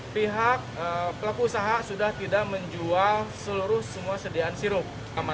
pihak pelaku usaha sudah tidak menjual seluruh semua sediaan sirup